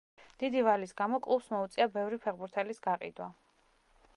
დიდი ვალის გამო კლუბს მოუწია ბევრი ფეხბურთელის გაყიდვა.